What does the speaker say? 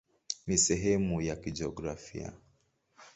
Ni sehemu ya jiografia.